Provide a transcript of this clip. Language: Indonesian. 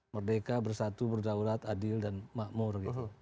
merdeka bersatu berdaulat adil dan makmur